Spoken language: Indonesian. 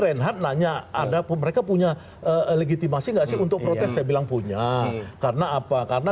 empatnya ada pun mereka punya legitimasi nggak sih untuk protes sebelah punya carna apa karena